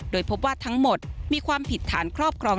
โดยพบว่าทั้งหมดมีความผิดฐานครอบครอง